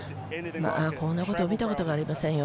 こんなこと見たことありませんよ。